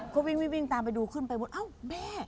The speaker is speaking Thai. ก็วิ่งตามไปดูขึ้นไปบนเอ้าแม่